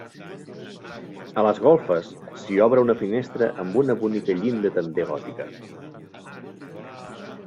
A les golfes s'hi obre una finestra amb una bonica llinda també gòtica.